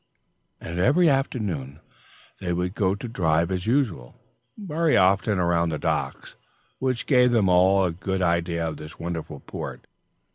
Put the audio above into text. And every afternoon they would go to drive as usual, very often around the docks, which gave them all a good idea of this wonderful port.